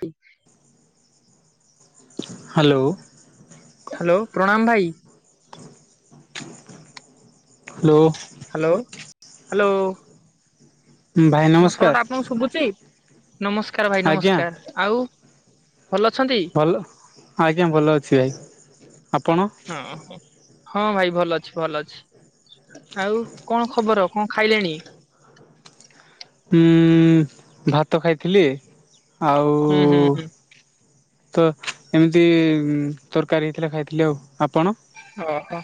Hip hello. Hello. ପ୍ରଣାମ ଭାଇ। Hello. Hello. ଭାଇ ମୋ ନମସ୍କାର। ସ୍ୱରଟା ଆପଣଙ୍କୁ ଶୁଭୁଛି। ନମସ୍କାର, ଭାଇ। ଆଜ୍ଞା ନମସ୍କାର। ଆଉ ଭଲ ଅଛନ୍ତି। ଆଜ୍ଞା। ଭଲ ଅଛି ଭାଇ। ଆପଣ ହଁ ହଁ ଭାଇ, ଭଲ ଅଛି। ଭଲ ଅଛି। ଆଉ କଣ ଖବର? କଣ ଖାଇଲେଣି? ଉଁ ଭାତ ଖାଇଥିଲି। ଆଉ ହୁଁ ହୁଁ ହୁଁ ତ, ଏମିତି ତରକାରୀ ହେଇଥିଲା ଖାଇଥିଲି ଆଉ। ଆପଣ ହଁ,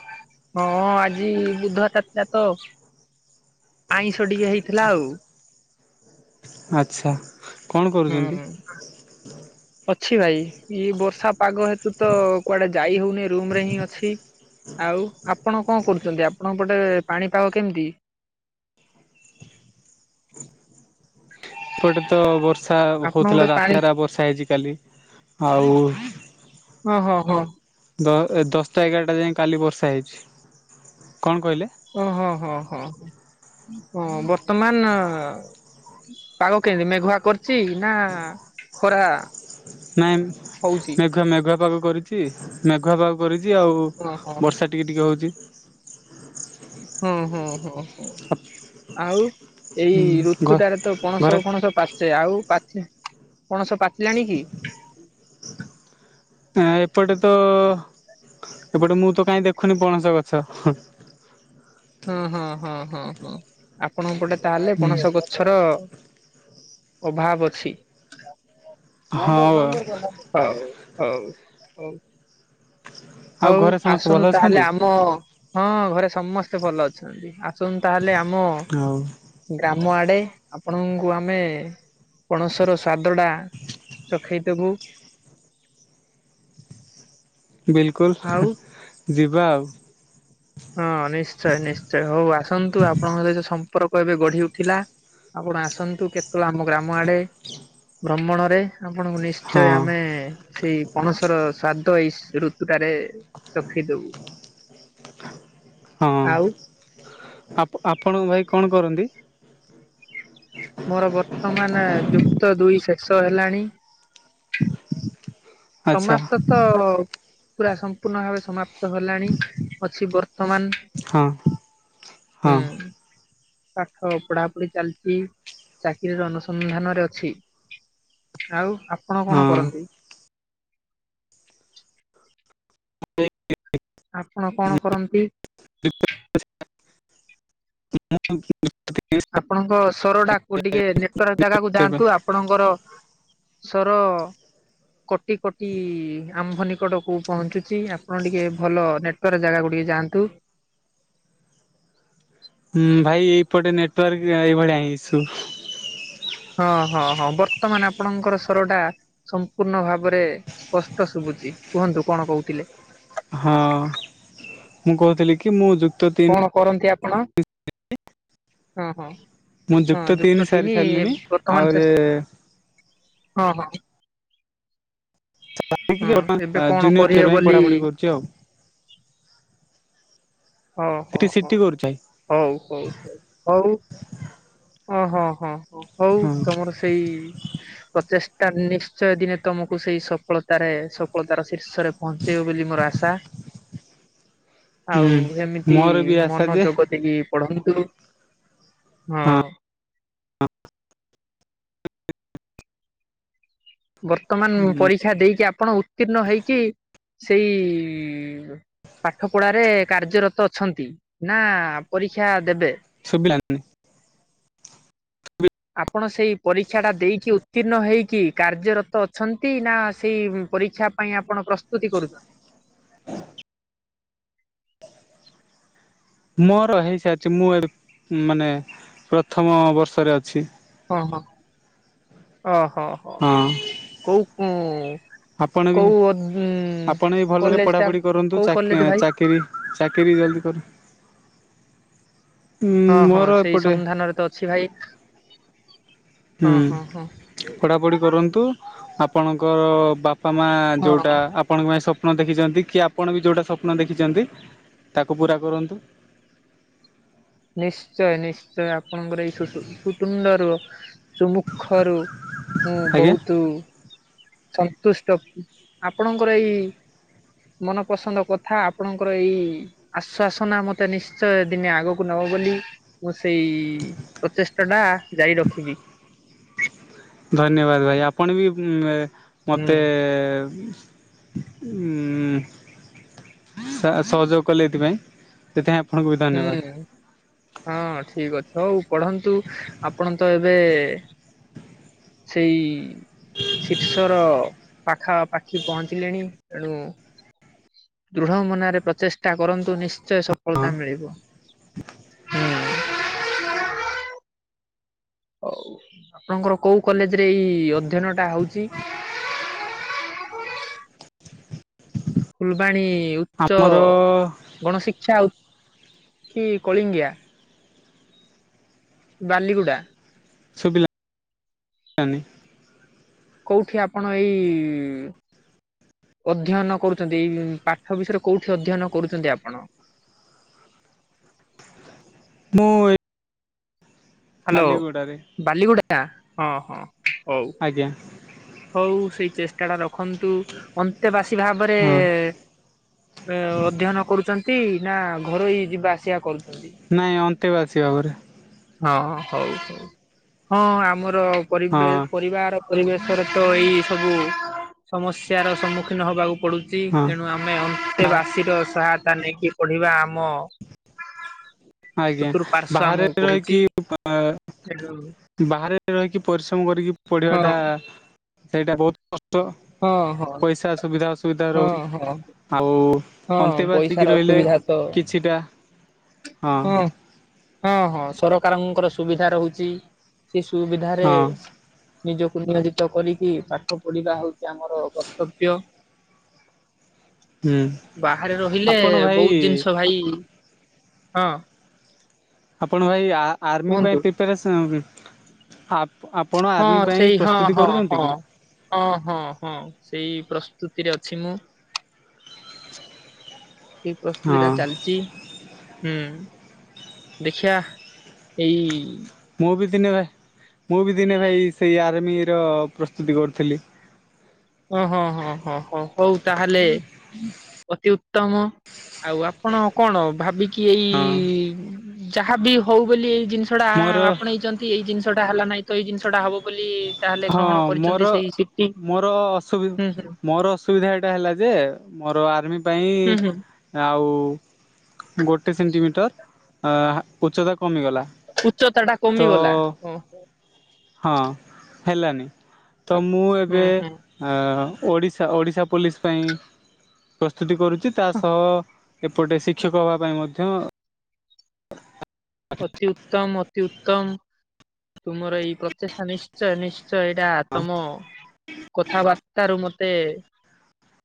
ଆଜି ବୁଧବାରଟା ଥିଲା ତ। ଆଇଁଷ ଟିକେ ହେଇଥିଲା ଆଉ। ଆଚ୍ଛା। କଣ ହୁଁ କରୁଛନ୍ତି ହୁଁ। ଅଛି ଭାଇ। ଇଏ ବର୍ଷା ପାଗ ହେତୁ ତ କୁଆଡେ ଯାଇ ହଉନି। ରୁମ ରେ ହିଁ ଅଛି। ଆଉ ଆପଣ କଣ କରୁଚନ୍ତି? ଆପଣଙ୍କ ପଟେ ପାଣିପାଗ କେମିତି? ଏପଟେ ତ ବର୍ଷା ଆପଣ ହଉଥିଲା। ଗୋଟେ ପାଣି ରାତି ସାରା ବର୍ଷା ହେଇଛି କାଲି। ଆଉ ହଁ ହଁ ହଁ। ଦ ଦଶଟା ଏଗାରଟା ଯାଏ କାଲି ବର୍ଷା ହେଇଛି। କଣ କହିଲେ? ଓହୋ ହଁ ହଁ ହଁ ବର୍ତ୍ତମାନ ଆ ପାଗ କେମତି ମେଘୁଆ କରିଛି ନା ଖରା? ନାଇଁ ହଉଛି ମେଘୁଆ ମେଘୁଆ ପାଗ କରିଚି। ମେଘୁଆ ପାଗ କରିଚି ଆଉ ହଁ ହଁ ହଁ ବର୍ଷା ଟିକେ ଟିକେ ହଉଚି। ହଁ ହଁ ହଁ ହଁ। ଆଉ ଏଇ ହୁଁ ଘ ଋତୁଟାରେ ତ ଘରେ ପଣସ ଫଣସ ପାଚେ ଆଉ ପାଚି ପଣସ ପାଚିଲାଣି କି? ନା ଏପଟେ ତ ଏପଟେ ମୁଁ ତ କାଇଁ ଦେଖୁନି ପଣସ ଗଛ। ହଁ ହଁ ହଁ ହଁ ହଁ ଆପଣଙ୍କ ପଟେ ତାହେଲେ ହୁଁ ପଣସ ଗ ଛର ଅଭାବ ଅଛି। ହୋଉ ହଉ ହୋଉ ହୋଉ। ଆଉ ହଉ ଘରେ ସମସ୍ତେ ଭଲ ଆସନ୍ତୁ ତାହେଲେ ଅଛନ୍ତି? ଆମ ହଁ ଘରେ ସମସ୍ତେ ଭଲ ଅଛନ୍ତି ଆସନ୍ତୁ ତାହେଲେ ଆମ ଆଉ ଗ୍ରାମ ଆଡ଼େ ଆପଣଙ୍କୁ ଆମେ ପଣସର ସ୍ୱାଦଟା ଚଖେଇଦୋବୁ। ବିଲକୁଲ ଆଉ ଯିବା ଆଉ। ହଁ ନିଶ୍ଚୟ ନିଶ୍ଚୟ ହଉ ଆସନ୍ତୁ ଆପଣଙ୍କର ଏଯୋଉ ସ ପରକ ଏବେ ଗଢ଼ି ଉଠିଲା ଆପଣ ଆସନ୍ତୁ କେତେବେଳେ ଆମ ଗ୍ରାମ ଆଡ଼େ। ଭ୍ରମଣରେ। ଆପଣଙ୍କୁ ନିଶ୍ଚୟ ହଁ ଆମେ ସେଇ ପଣସର ସ୍ଵାଦ ଏଇ ସ ଋତୁଟାରେ ଚଖେଇଦୋବୁ। ହଁ ଆଉ ଆପ ଆପଣଙ୍କ ଭାଇ କଣ କରନ୍ତି? ମୋର ବର୍ତ୍ତମାନେ ଯୁକ୍ତ ଦୁଇ ଶେଷ ହେଲାଣି। ଆଚ୍ଛା ସମାପ୍ତ ତ ପୁରା ସମ୍ପୂର୍ଣ୍ଣ ଭାବେ ସମାପ୍ତ ହେଲାଣି ଅଛି ବର୍ ତମାନ ହଁ ହଁ ହୁଁ। ପାଠ ପଢ଼ାପଢ଼ି ଚାଲିଚି ଚାକିରିର ଅନୁସନ୍ଧାନରେ ଅଛି। ଆଉ ଆପଣ କଣ ହଁ। କରନ୍ତି? ଆପଣ କଣ କରନ୍ତି? [unintelligible] [unintelligible] ଆପଣଙ୍କ ସ୍ୱରଟାକୁ ଟିକେ ନେଟୱାର୍କ ଜାଗାକୁ ଯାଆନ୍ତୁ ଆପଣଙ୍କର ସୋର କଟି କଟି ଆମ୍ଭ ନିକଟକୁ ପହଞ୍ଚୁଚି ଆପଣ ଟିକେ ଭଲ ନେ ୱାର ଜାଗାକୁ ଟିକେ ଯାଆନ୍ତୁ। ହୁଁ ଭାଇ ଏଇପଟେ ନେଟୱାର୍କ ଏଇଭଳିଆ ହିଁ ଇସୁ। ହଁ ହଁ ହଁ ବର୍ତ୍ତମାନ ଆପଣଙ୍କର ସୋରଟା ସମ୍ପୂର୍ଣ୍ଣ ଭାବରେ ସ୍ପଷ୍ଟ ଶୁଭୁଛି କୁହନ୍ତୁ କଣ କହୁଥିଲେ। ହଁ ମୁଁ କହୁଥିଲି କି ମୁଁ ଯୁକ୍ତ ତିନି କଣ କରନ୍ତି ଆପଣ? ହଁ ହଁ ମୁଁ ହଁ ଯୁକ୍ତ ସାରି ତିନି ସାରିଲିଣି ବର୍ତ୍ତମାନ ଆହୁରି ଶେଷ ହଁ ହଁ। ହଁ ଏବେ କଣ ଜୁନିୟର ଟିୟର କରିବେ ପାଇଁ ବୋଲି ପଢାପଢି କରୁଛି ଆଉ ହ ହ ହ ସେଠି ସିଟି ହୋଉ କରୁଛି ହୋଉ ହୋଉ ହୋଉ। ଓହଁ ହଁ ହଁ ହୋଉ ହଁ ତମର ସେଇ ପ୍ରଚେଷ୍ଟା ନିଶ୍ଚୟ ଦିନେ ତମକୁ ସେଇ ସଫଳତାରେ, ସଫଳତାର ଶୀର୍ଷରେ ପହଞ୍ଚେଇବ ବୋଲି ମୋର ଆଶା। [unintelligible] ଆଉ ହୁଁ ଏମିତି ମୋର ବି ଆଶା ଯେ ମନୋଜଗତ କି ପଢନ୍ତୁ, ହଁ। ବର୍ତ୍ତମାନ ପରୀକ୍ଷା ଦେଇକି ଆପଣ ଉତ୍ତୀର୍ଣ୍ଣ ହେଇକି, ସେଇ ପାଠ ପଢାରେ କାର୍ଯ୍ୟରତ ଅଛନ୍ତି, ନା ପରୀକ୍ଷା ଦେବେ? ଶୁବିଲାନି। ଆପଣ ସେଇ ପରୀକ୍ଷାଟା ଦେଇକି ଉତ୍ତୀର୍ଣ୍ଣ ହେଇକି କାର୍ଯ୍ୟରତ ଅଛନ୍ତି, ନା ସେଇ ପରୀକ୍ଷା ପାଇଁ ଆପଣ ପ୍ରସ୍ତୁତି କରୁଚନ୍ତି। ମୋର ହେଇସାରିଚି, ମୁଁ ଏ ମାନେ ପ୍ରଥମ ବର୍ଷରେ ଅଛି। ଓ ହୋ, ଓ ହୋ। ହଁ। କୋଉ କୁଁ ଆପଣ ବି, ଆପଣ ବି ଭଲରେ କଲେଜ ଟା ପଢ଼ାପଢ଼ି କରନ୍ତୁ, କୋଉ କଲେଜ ଚାକି ଭାଇ ଚାକିରି ଚାକିରି ବି ଜଲ୍ଦି କରୁ। ହଁ ହଁ ମୋର ସେଇ ଏପଟେ ସନ୍ଧାନରେ ତ ଅଛି ଭାଇ। ହୁଁ, ହଁ ହଁ ହଁ। ପଢ଼ାପଢ଼ି କରନ୍ତୁ, ଆପଣଙ୍କର ବାପ୍ ପା ମା ଯୋଉଟା, ହଁ। ଆପ୍ ଆପଣଙ୍କ ପାଇଁ ସ୍ୱପ୍ନ ଦେଖିଚନ୍ତି, କି ଆପଣ ବି ଯୋଉଟା ସ୍ୱପ୍ନ ଦେଖିଚନ୍ତି, ତାକୁ ପୁରା କରନ୍ତୁ। ନିଶ୍ଚୟ ନିଶ୍ଚୟ, ଆପଣଙ୍କର ଏଇ ସୁ ସୁତୁଣ୍ଡ ରୁ ସୁମୁଖରୁ, ମୁଁ ଆଜ୍ଞା ବହୁତ ସନ୍ତୁଷ୍ଟ, ଆପଣଙ୍କର ଏଇ ମନପସନ୍ଦ କଥା, ଆପଣଙ୍କର ଏଇ ଆଶ୍ଵାସନା, ମତେ ନିଶ୍ଚୟ ଦିନେ ଆଗକୁ ନବ ବୋଲି ମୁଁ ସେଇ ପ୍ରଚେଷ୍ଟା ଟା ଜାରି ରଖିବି। ଧନ୍ୟବାଦ ଭାଇ, ଆପଣ ବି ହୁଁ। ମତେ ଉଁ ଉଁ, ସ ସହଯୋଗ କଲେ ଏଥିପାଇଁ। ସେଥି ପାଇଁ ଆପଣଙ୍କୁ ବି [unintelligible] ହୁଁ, ହଁ ଠିକ୍ ଅଛ, ହଉ ପଢନ୍ତୁ, ଆପଣ ତ ଏବେ ସେଇ ଶୀର୍ଷର ପାଖାପାଖି ପହଞ୍ଚିଲେଣି, ଏଣୁ ଦୃଢ ମନରେ ପ୍ରଚେଷ୍ଟା କରନ୍ତୁ, ନିଶ୍ଚୟ ସଫଳ ତା ମିିଳିବ, ହୁଁ। ଆଉ, ଆପଣଙ୍କର କୋଉ କଲେଜ ରେ ଏଇ ଅଧ୍ୟୟନ ଟା ହଉଚି? ଫୁଲବାଣୀ ଉଚ୍ଚ ଆମର ଗଣଶିକ୍ଷା, କି କଳିଙ୍ଗିଆ? ବାଲିଗୁଡା। ଶୁବିିଲା ନି। କୋଉଠି ଆପଣ ଏଇ ଅଧ୍ୟୟନ କରୁଚନ୍ତି ଶଏଇ ପାଠ ବିଷୟରେ କୋଉଠି ଅଧ୍ୟୟନ କରୁଚନ୍ତି ଆପଣ? ମୁଁ ଏଇ ହାଲୋ ବାଲିଗୁଡା, ହଁ ହଁ ହଉ। ଆଜ୍ଞା। ହଉ ସେଇ ଚେଷ୍ଟା ଟା ରଖନ୍ତୁ, ଅନ୍ତେବାସୀ ଭାବରେ ହଁ ଅଧ୍ୟୟନ କରୁଚନ୍ତି, ନା ଘରୋଇ ଯିବା ଆସିବା କରୁଚନ୍ତି। ନାଇଁ ଅନ୍ତେକୁ ଆସିବା ପରେ। ହଁ ହଉ ହ ହଁ ଆମର ହଁ ପରିବ ପରିବାର ପରିବେଶରେ ତ ଏଇ ସବୁ ସମସ୍ୟାର ସମ୍ମୁଖୀନ ହବାକୁ ପଡ଼ୁଛି ହଁ ଏଣୁ ଆମେ ବାହାରେ ଅନ୍ତେବାସୀର ସହାୟତା ନେଇକି ପଢିବା ଆମ ଆଜ୍ଞା ଚତୁଃପାର୍ଶ୍ଵ ବାହାରେ ଆମକୁ କହୁଛି। ରହିକି କି ବାହାରେ ରହିକି ପରିଶ୍ରମ କରିକି ପଢିବା ହଁ ଟା ସେଇଟା ବହୁତ କଷ୍ଟ। ହଁ ହଁ। ପଇସା ସୁବିଧା ଅସୁବିଧା ହଁ ରହୁଛି ହଁ ଆଉ ହଁ ଅନ୍ତେ ପଇସାର ବାସିକି ରହିଲେ ଅସୁବିଧା ତ କିଛିଟା ହଁ ହଁ ହଁ ସରକାରଙ୍କର ସୁବିଧା ରହୁଛି। ସେ ସୁବିଧାରେ ହଁ ନିଜକୁ ନିୟୋଜିତ କରିକି ପାଠ ପଢିବା ହଉଛି ଆମର କର୍ତ୍ତବ୍ୟ। ହୁଁ ବାହାରେ ରହିଲେ ଆପଣ ଭାଇ ବହୁତ ଜିନିଷ ଭାଇ ହଁ। ଆପଣ ଭାଇ ଆ ଆର୍ମି କୁହନ୍ତୁ ପାଇଁ ପ୍ରିପାରେସନ୍ ଆପଣ ହଁ ଆର୍ମି ସେଇ ପାଇଁ ହଁ ପ୍ରସ୍ତୁତି ହଁ କରୁଛନ୍ତି ହଁ। କି। ହଁ ହଁ ହଁ ସେଇ ପ୍ରସ୍ତୁତିରେ ଅଛି ମୁଁ। କି ପ୍ରସ୍ତୁତି ଟା ହଁ ଚାଲିଚି। ହୁଁ ଦେଖୀଆ ଏଇ ମୁଁ ବି ଦିନେ ଭା ମୁଁ ବି ଦିନେ ଭାଇ ସେଇ ଆର୍ମିର ପ୍ରସ୍ତୁତି କରୁଥିଲି। ଓ ହଁ ହଁ ହଁ ହୋ ହୋଉ ତାହେଲେ ଅତି ଉତ୍ତମ। ଆଉ ଆପଣ କଣ ଭାବି କି ଏଇ ହଁ ଯାହାବି ହୋଉ ବୋଲି ଏଇ ଜିନିଷ ଟା ମୋର ଆପଣେଇଚନ୍ତି। ଠିକ ଏଇ ଜିନିଷଟା ହେଲା ନାହିଁ ତ ଏଇ ଜିନିଷଟା ହବ ବୋଲି ତାହେଲେ ହଁ କଣ ମୋର କରିଚନ୍ତି ସେଇ ସିଟି। ମୋର ଅଶୁବି ହୁଁ ହୁଁ ମୋର ଅସୁବିଧା ଏଇଟା ହେଲା ଯେ ମୋର ଆର୍ମି ପାଇଁ ହୁଁ ହୁଁ ଆଉ ଗୋଟେ ସେଣ୍ଟିମିଟର ଆ ଉଚ୍ଚତା କମିଗଲା। ଉଚ୍ଚତା ଟା ତ କମିଗଲା [unintelligible] ହଁ ହେଲାନି ତ ମୁଁ ହୁଁ ଏବେ ହୁଁ। ଆ ଓଡ଼ିଶା ଓଡ଼ିଶା ପୋଲିସ ପାଇଁ ପ୍ରସ୍ତୁତି କରୁଚି ତା ସଅ ଏପଟେ ଶିକ୍ଷକହବା ପାଇଁ ମଧ୍ୟ ଅତି ଉତ୍ତମ ଅତି ଉତ୍ତମ ତୁମର ଏଇ ପ୍ରଚେଷ୍ଟା ନିଷ୍ ନିଶ୍ଚୟ ନିଶ୍ଚୟ ଏଇଟା ତମ କଥାବାର୍ତ୍ତାରୁ ମତେ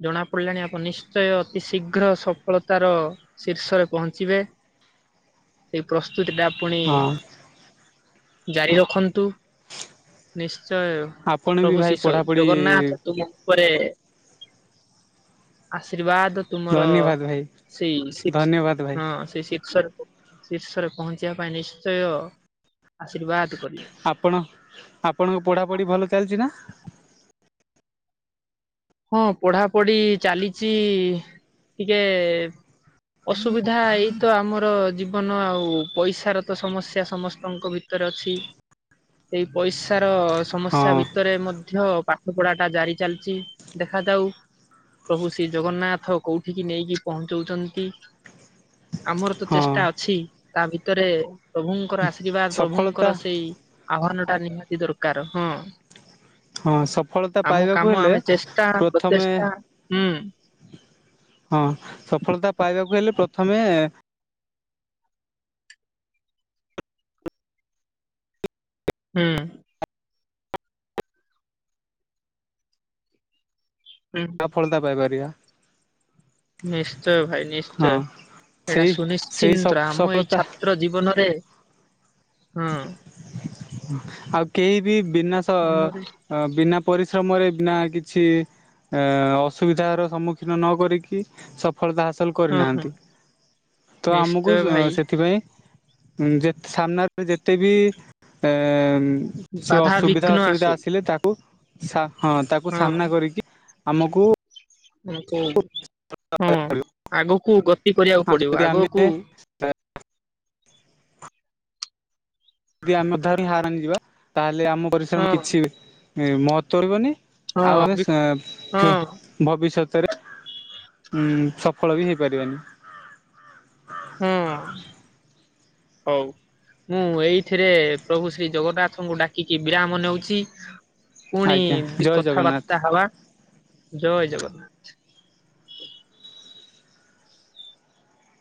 ଜଣାପଡ଼ିଲାଣି ଆପଣ ନିଶ୍ଚୟ ଅତି ଶୀଘ୍ର ସଫଳତାର ଶୀର୍ଷରେ ପହଞ୍ଚିବେ। [unintelligible] ପୁଣି ଜାରି ରଖନ୍ତୁ ନିଶ୍ଚୟ ଆପଣ ବି ପ୍ରଭୁ ଭାଇ ଶିଷ ପଢ଼ାପଢ଼ି ଜଗନ୍ନାଥ ତୁମକୁ ଉପରେ ଆଶୀର୍ବାଦ ତୁମର ଧନ୍ୟବାଦ ଭାଇ ସେଇ ଧନ୍ୟବାଦ ଭାଇ ହଁ ସେ ଶୀର୍ଷକୁ ଶୀର୍ଷରେ ପହଞ୍ଚିବା ପାଇଁ ନିଶ୍ଚୟ ଆଶୀର୍ବାଦ କରିବି। ଆପଣ ଆପଣଙ୍କ ପଢ଼ାପଢ଼ି ଭଲ ଚାଲିଚି ନା। ହଁ ପଢା ପଢି ଚାଲିଚି ଟିକେ ଅସୁବିଧା ଏଇତ ଆମର ଜୀବନ ଆଉ ପଇସାର ତ ସମସ୍ୟା ସମସ୍ତଙ୍କ ଭିତ ତରେ ଅଛି ଏଇ ପଇସାର ସମସ୍ୟା ହଁ ଭିତରେ ମଧ୍ୟ ପାଠ ପଢା ଟା ଜାରି ଚାଲିଚି। ଦେଖାଯାଉ ପ୍ରଭୁ ଶ୍ରୀ ଜଗନ୍ନାଥ କୋଉଠିକି ନେଇକି ପହଁଞ୍ଚଉଚନ୍ତି। ଆମର ତ ହଁ ଚେଷ୍ଟା ଅଛି ତା ଭିତରେ ପ୍ରଭୁଙ୍କର ଆସ ଶ୍ରୀ ବାଦ ସଫଳତା ପ୍ରଭୁଙ୍କର ସେଇ ଆହ୍ଵାନ ଟା ନିହାତି ଦରକାର ହଁ। ହଁ ସଫଳତା ପାଇବାକୁ ହେଲେ ନିଷ୍ଠା ପ୍ରଥମେ ପ୍ରତେଷ୍ଟା ହୁଁ। ହଁ ସଫଳତା ପାଇବାକୁ ହେଲେ ପ୍ରଥମେ ହୁଁ। ହୁଁ। ସଫଳତା ପାଇପାରିବା। ନିଶ୍ଚୟ ଭାଇ ନିଶ୍ଚୟ ହଁ ଏଇଟା ସେଇ ସେଇ ସୁନିଶ୍ଚିନ୍ତର୍ ଆମ ଇ ସଫଳତା ଛା ତ୍ର ଜୀବନରେ ହଁ। ଆଉ କେହି ବି ବିନାଶ ତମରି। ହଁ ବିନା ପରିଶ୍ରମରେ ନା କିଛି ଏ ଅସୁବିଧାର ସମ୍ମୁଖୀନ ନ କରିକି ସଫଳତା ହାସଲ ହଁ ହଁ କରିନାହାନ୍ତି ତ ନିଶ୍ଚୟ ଆମକୁ ଭାଇ ସେଥିପାଇଁ ହୁଁ ଯେତ୍ ସାମ୍ନାରେ ଯେତେ ବି ଏଁ ସ୍ୱ ବାଧା ସୁବିଧା ବିଘ୍ନ ଅସୁବିଧା ଆସୁ ଆସିଲେ ତାକୁ ସା ହଁ ତାକୁ ସାମ୍ନା କରିକି ଆମକୁ ହଁ ଆଗକୁ ଗତି କରିବାକୁ ଆଉ ଯଦି ପଡିବ ଆମେ ଆଗକୁ ଯଦି ଆମେ ତାହା ଲେ ହାରାମ୍ ନିଯିବା ତାହେଲେ ଆମ ହଁ ପରିଶ୍ରମ କିଛି ମହତ୍ୱ ରହିବନି। ଆଉ ହଁ ଆମେ ବି ହଁ [unintelligible] ଭବିଷ୍ୟତରେ ଉଁ ସଫଳତା ବି ହେଇପାରିବାନି। ହୁଁ ହଉ। ମୁଁ ଏଇଥିରେ ପ୍ରଭୁ ଶ୍ରୀ ଜଗନ୍ନାଥଙ୍କୁ ଡାକିକି ବିରାମ ନେଉଚି। ପୁଣି ଆଜ୍ଞା ଜୟ ଜଗନ୍ନାଥ। କଥାବାର୍ତା ହେବା ଜୟ ଜଗନ୍ନାଥ।